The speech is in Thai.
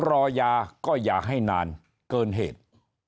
รอยาก็อย่าให้นานเกินเหตุ